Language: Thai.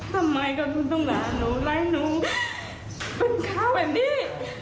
ทำไมก็ต้องร้านหนูไล่หนูเป็นข้าวแบบนี้